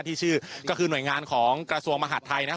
ที่ชื่อก็คือหน่วยงานของกระทรวงมหาดไทยนะครับ